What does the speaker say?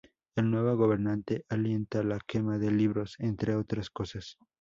El nuevo gobernante alienta la quema de libros, entre otras cosas.